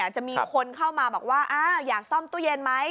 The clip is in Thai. จะมีคนเข้ามาบอกว่าอยากซ่อมตู้เย็นไหม